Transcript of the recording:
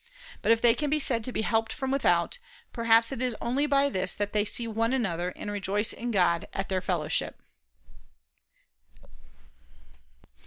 But if they can be said to be helped from without, perhaps it is only by this that they see one another and rejoice in God, at their fellowship."